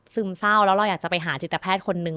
เศร้าแล้วเราอยากจะไปหาจิตแพทย์คนนึง